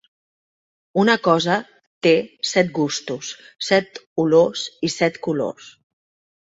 Una cosa té set gustos, set olors i set colors.